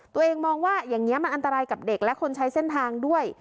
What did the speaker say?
ตัวเองมองว่าอย่างนี้มันอันตรายกับเด็กและคนใช้เส้นทางด้วย